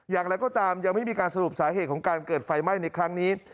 อย่างไรก็ตามยังไม่มีการสรุปสาเหตุของการเกิดไฟไหม้ในครั้งนี้